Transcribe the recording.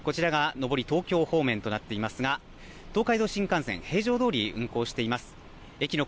こちらが上り、東京方面となっていますが東海道新幹線は平常どおり運行しています。